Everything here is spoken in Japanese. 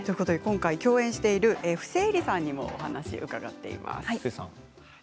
共演しているふせえりさんにも話を伺っています。